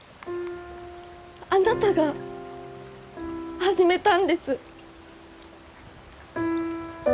あなたが始めたんです！